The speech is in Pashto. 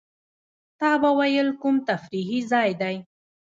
تا به وېل کوم تفریحي ځای دی.